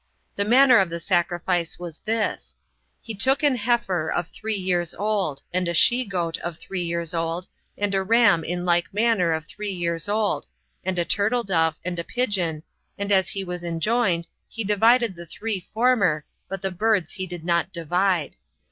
The manner of the sacrifice was this:He took an heifer of three years old, and a she goat of three years old, and a ram in like manner of three years old, and a turtle dove, and a pigeon 19 and as he was enjoined, he divided the three former, but the birds he did not divide.